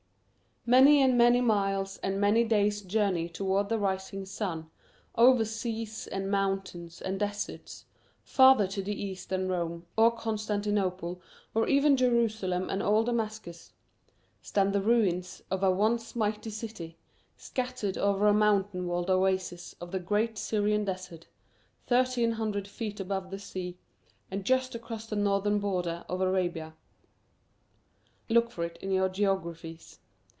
MANY and many miles and many days' journey toward the rising sun, over seas and mountains and deserts, farther to the east than Rome, or Constantinople, or even Jerusalem and old Damascus, stand the ruins of a once mighty city, scattered over a mountain walled oasis of the great Syrian desert, thirteen hundred feet above the sea, and just across the northern border of Arabia. Look for it in your geographies.